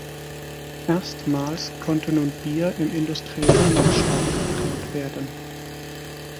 Erstmals konnte nun Bier im industriellen Maßstab gebraut werden.